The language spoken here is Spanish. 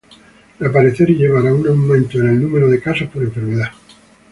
reaparecer y llevar a un aumento en el número de casos por enfermedad